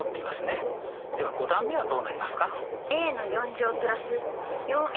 では５段目はどうなりますか？